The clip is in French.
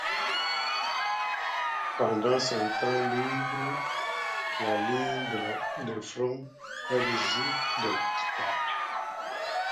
Pendant son temps libre la ligne de front, elle joue de la guitare.